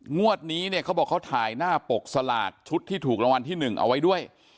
งวดนี้เนี่ยเขาบอกเขาถ่ายหน้าปกสลากชุดที่ถูกรางวัลที่๑เอาไว้ด้วย